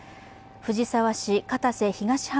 藤沢市・片瀬東浜